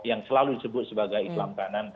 yang selalu disebut sebagai islam kanan